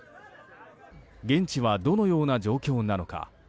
現地はどのような状況なのか。